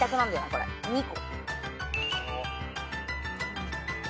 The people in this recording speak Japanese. これ２個。